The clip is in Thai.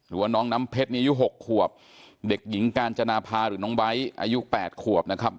ว่าน้องน้ำเพชรนี่อายุ๖ขวบเด็กหญิงกาญจนาภาหรือน้องไบท์อายุ๘ขวบนะครับ